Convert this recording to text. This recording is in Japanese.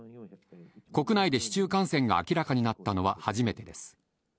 国内で市中感染が明らかになったのは初めてです。